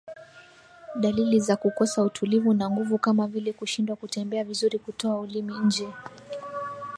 Dalili za kukosa utulivu na nguvu kama vile kushindwa kutembea vizuri kutoa ulimi nje